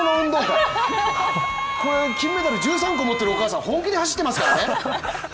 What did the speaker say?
子供の運動会、これ金メダル１３個持ってるお母さん、本気で走ってますからね。